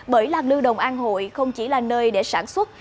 bởi làng lưu đồng an hội không chỉ là nơi để sản xuất